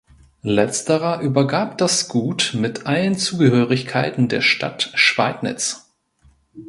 Letzterer übergab das Gut mit allen Zugehörigkeiten der Stadt Schweidnitz.